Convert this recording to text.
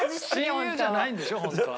親友じゃないんでしょホントは。